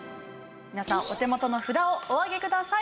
皆さんお手元の札をお上げください。